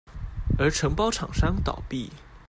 而承包廠商倒閉